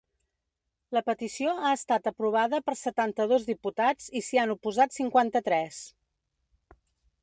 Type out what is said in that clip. La petició ha estat aprovada per setanta-dos diputats i s’hi han oposat cinquanta-tres.